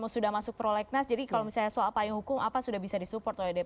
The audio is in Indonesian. sudah masuk prolegnas jadi kalau misalnya soal payung hukum apa sudah bisa disupport oleh dpr